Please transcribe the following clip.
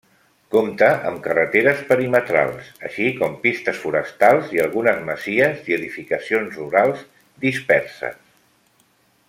Compta amb carreteres perimetrals, així com pistes forestals i algunes masies i edificacions rurals disperses.